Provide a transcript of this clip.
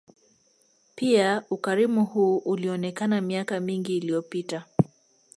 Pia ukarimu huu ulionekana miaka mingi iliyopita